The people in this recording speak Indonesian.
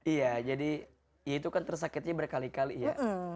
iya jadi ya itu kan tersakitnya berkali kali ya